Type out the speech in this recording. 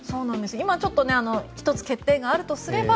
今、ちょっと１つ欠点があるとすれば